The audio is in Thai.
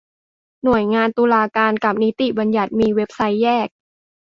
หน่วยงานตุลาการกับนิติบัญญัติมีเว็บไซต์แยก